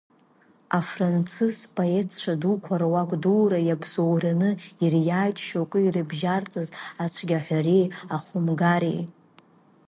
Афранцыз поетцәа дуқәа руаҩ дура иабзоураны ириааит шьоукы ирыбжьарҵаз ацәгьаҳәареи ахәымгареи.